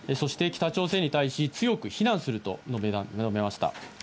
そして北朝鮮に対し強く非難すると述べました。